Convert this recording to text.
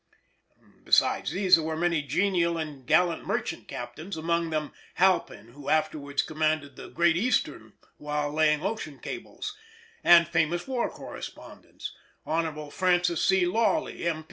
Besides these there were many genial and gallant merchant captains, among them Halpin, who afterwards commanded the Great Eastern while laying ocean cables; and famous war correspondents—Hon. Francis C. Lawley, M.